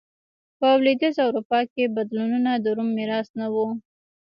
په لوېدیځه اروپا کې بدلونونه د روم میراث نه و